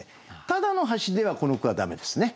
ただの「橋」ではこの句は駄目ですね。